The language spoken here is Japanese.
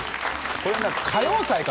これ。